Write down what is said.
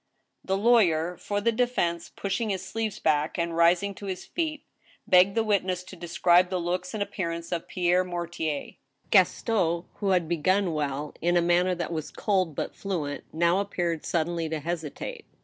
The lawyer for the defense, pushing his sleeves back, and rising to his feet, begged the witness to describe the looks and appearance of Pierre Mortier. Gaston, who had begun well, in a manner that was cold but fluent, now appeared suddenly to hesitate.